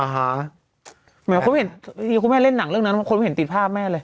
หมายถึงคุณแม่เล่นหนังเรื่องนั้นคนไม่เห็นติดภาพแม่เลย